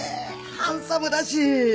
ハンサムだし。